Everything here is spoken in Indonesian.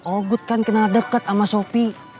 agut kan kena deket sama sopi